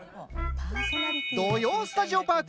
「土曜スタジオパーク」